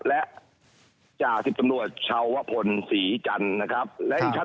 และจ่าทริปตำรวจชาววะพลศรีจันนะครับและอีกชั้น